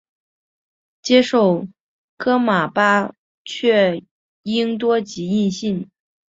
接受噶玛巴却英多吉印信。